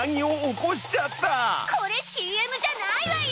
これＣＭじゃないわよ！